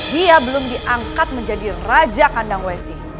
dia belum diangkat menjadi raja kandang wesi